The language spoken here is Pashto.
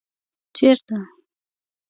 ـ چېرته؟